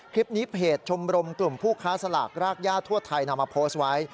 เพจชมรมกลุ่มผู้ค้าสลากรากย่าทั่วไทยนำมาโพสต์ไว้